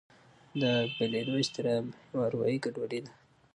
دا بېلېدو اضطراب یوه اروایي ګډوډي ده.